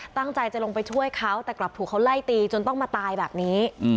ตั้งใจจะลงไปช่วยเขาแต่กลับถูกเขาไล่ตีจนต้องมาตายแบบนี้